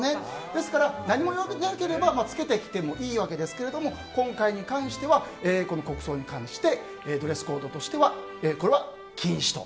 ですから、何も言われなければつけてきてもいいわけですが今回に関してはこの国葬に関してドレスコードとしてはこれは禁止と。